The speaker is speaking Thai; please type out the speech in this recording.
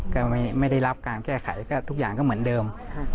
ก็ไม่ได้รับการแก้ไขก็ทุกอย่างก็เหมือนเดิม